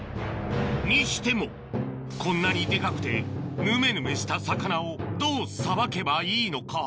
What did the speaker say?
にしてもこんなにデカくてぬめぬめした魚をどうさばけばいいのか？